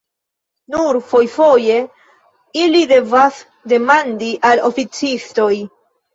Nur fojfoje ili devas demandi al oficistoj.